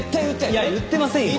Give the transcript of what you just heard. いや言ってませんよ。